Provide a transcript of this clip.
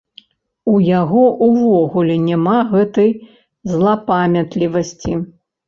У яго ўвогуле няма гэтай злапамятлівасці!